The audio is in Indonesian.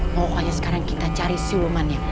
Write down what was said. pokoknya sekarang kita cari silumannya